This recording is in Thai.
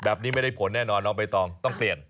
แบบนี้ไม่ได้ผลแน่นอนน้องใบตองต้องเปลี่ยน